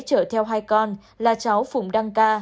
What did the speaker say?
chở theo hai con là cháu phùng đăng ca